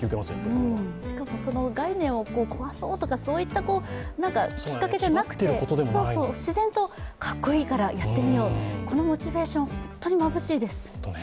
概念を壊そうとか、そういったきっかけじゃなくて、自然と格好いいからやってみよう、このモチベーション、本当にまぶしいです。